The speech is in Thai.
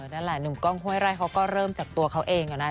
นั่นแหละหนุ่มกล้องห้วยไร่เขาก็เริ่มจากตัวเขาเองอะนะ